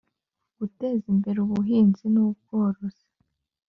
Guteza imbere ubuhinzi n ubworozi